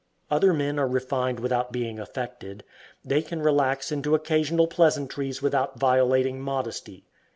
Other men are refined without being affected. They can relax into occasional pleasantries without violating modesty.